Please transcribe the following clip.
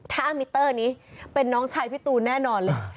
ถ้ามิเตอร์นี้เป็นน้องชายพี่ตูนแน่นอนเลย